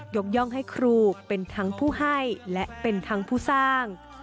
ย่องให้ครูเป็นทั้งผู้ให้และเป็นทั้งผู้สร้าง